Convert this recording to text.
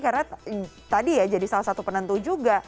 karena tadi ya jadi salah satu penentu juga